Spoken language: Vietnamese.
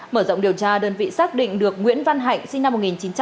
mở rộng điều tra đơn vị xác định được nguyễn văn hạnh sinh năm một nghìn chín trăm tám mươi